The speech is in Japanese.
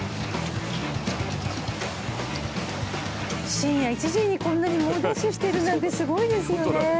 深夜１時にこんなに猛ダッシュしてるなんてすごいですよね。